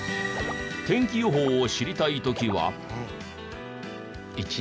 天気予報を知りたい時は。